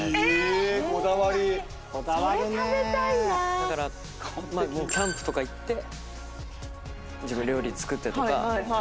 だからキャンプとか行って自分料理作ってとかもう。